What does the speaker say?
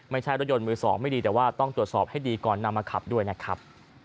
ไม่ใช่รถยนต์มือสองไม่ดีแต่ว่าต้องตรวจสอบให้ดีก่อนนำมาขับด้วยนะครับ